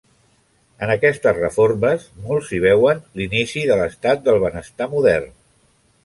En aquestes reformes molts hi veuen l'inici de l'estat del benestar modern.